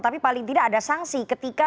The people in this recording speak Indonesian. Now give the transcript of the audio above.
tapi paling tidak ada sanksi ketika